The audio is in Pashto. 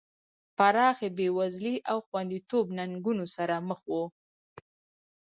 پراخې بېوزلۍ او خوندیتوب ننګونو سره مخ وو.